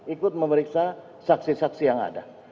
ikut memeriksa saksi saksi yang ada